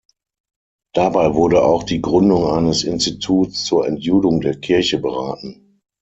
Dabei wurde auch die Gründung eines Instituts zur „Entjudung der Kirche“ beraten.